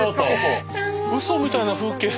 うそみたいな風景。